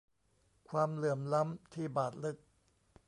ความเหลื่อมล้ำที่บาดลึก